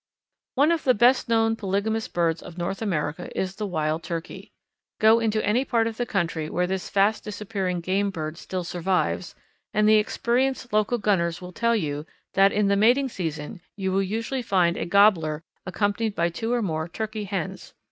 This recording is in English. One of the best known polygamous birds of North America is the Wild Turkey. Go into any part of the country where this fast disappearing game bird still survives, and the experienced local gunners will tell you that in the mating season you will usually find a gobbler accompanied by two or more Turkey hens.